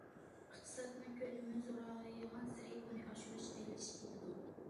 ئىقتىسادنىڭ كۆلىمى زورايغانسېرى، ئۇنى ئاشۇرۇش قىيىنلىشىپ كېتىدۇ.